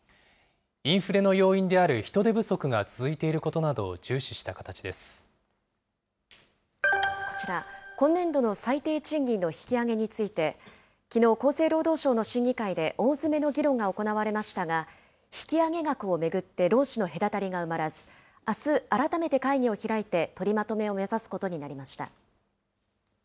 インフレの要因である人手不足が続いていることなどを重視した形こちら、今年度の最低賃金の引き上げについて、きのう、厚生労働省の審議会で大詰めの議論が行われましたが、引き上げ額を巡って労使の隔たりが埋まらず、あす、改めて会議を開いて取りまとめを目指すことになりました。